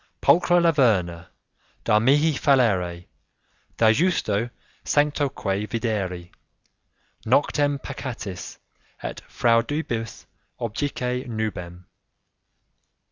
'Pulchra Laverna, Da mihi fallere; da justo sanctoque videri; Noctem peccatis, et fraudibus objice nubem.